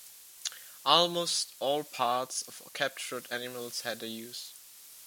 Almost all parts of captured animals had a use.